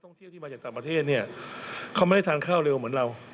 เที่ยวที่มาจากต่างประเทศเนี่ยเขาไม่ได้ทานข้าวเร็วเหมือนเรา